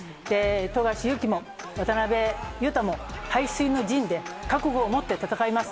富樫勇樹も、渡邊雄太も、背水の陣で覚悟を持って戦います。